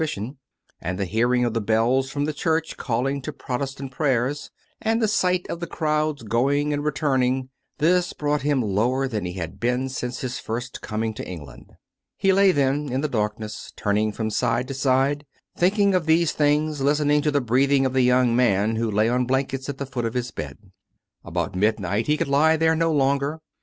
343 picion) — and the hearing of the bells from the church calling to Protestant prayers, and the sight of the crowds going and returning — this brought him lower than he had been since his first coming to England. He lay then in the darkness, turning from side to side, thinking of these things, listening to the breathing of the young man who lay on blankets at the foot of his bed. About midnight he could lie there no longer.